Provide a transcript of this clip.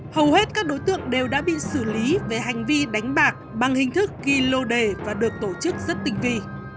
hầu hết các đối tượng đều đã bị xử lý về hành vi đánh bạc bằng hình thức ghi lô đề và được tổ chức rất tinh vi